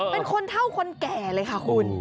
เป็นคนเท่าคนแก่เลยค่ะคุณ